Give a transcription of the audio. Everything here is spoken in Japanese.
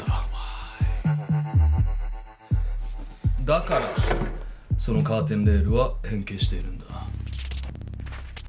だからそのカーテンレールは変形しているんだ。